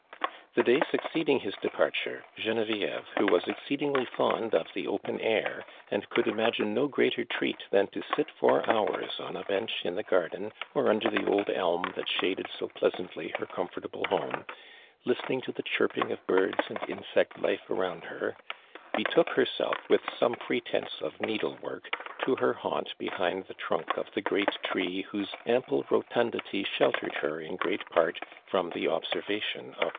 The day succeeding his departure, (ieno viovi;, who was exceedingly fond of the opcMi air, and could imagine no greater treat than to sit for hours on a bench in the garden, or under the old elm that shaded so pleas antly her comfortable home, listening to the chirping of birds and insect life around her, betook herself with some pretence M' needle work to her haunt behind the trunk of the great tree whose ami)le rotundity sheltered lier in great jiait fVo:ii t'ue obser vation of ji.'